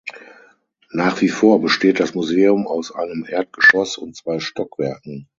Nach wie vor besteht das Museum aus einem Erdgeschoss und zwei Stockwerken.